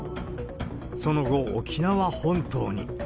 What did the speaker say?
その後、沖縄本島に。